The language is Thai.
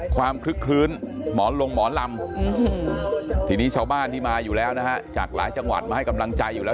คลึกคลื้นหมอลงหมอลำทีนี้ชาวบ้านที่มาอยู่แล้วนะฮะจากหลายจังหวัดมาให้กำลังใจอยู่แล้ว